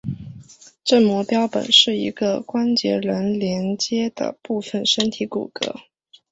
正模标本是一个关节仍连阶的部分身体骨骼。